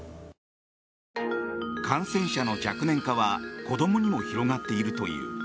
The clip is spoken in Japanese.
感染者の若年化は子どもにも広がっているという。